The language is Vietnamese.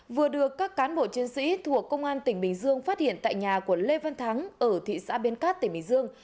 vừa được các cán bộ chiến sĩ thuộc công an tỉnh bình dương phát hiện tại nhà của lê văn thắng ở thị xã biên cát tỉnh bình dương